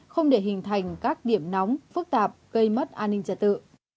không để hình thành các điểm nóng phức tạp gây mất an ninh trật tự